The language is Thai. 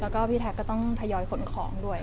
แล้วก็พี่แท็กก็ต้องทยอยขนของด้วย